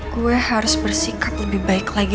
gue harus bersikap lebih baik lagi